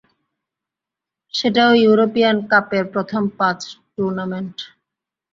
সেটাও ইউরোপিয়ান কাপের প্রথম পাঁচ টুর্নামেন্ট।